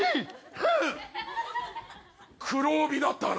黒帯だったな。